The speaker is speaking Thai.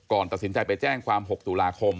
ก่อนตะสินใจไปแจ้งความ๖ตุลาคม